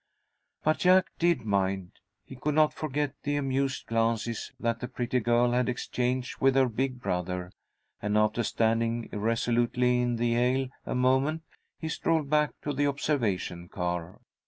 But Jack did mind. He could not forget the amused glances that the pretty girl had exchanged with her big brother, and after standing irresolutely in the aisle a moment, he strolled back to the observation car.